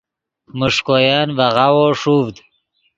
میݰکوین ڤے غاوو ݰوڤد